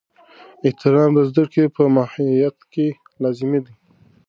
احترام د زده کړې په محیط کې لازمي دی.